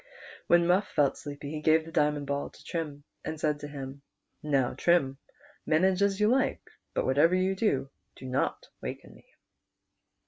When Muff felt sleepy he gave the diamond ball to Trim, and said to him, "Now, Trim, manage as you like, but whatever you do, do not waken me."